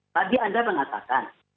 tadi anda mengatakan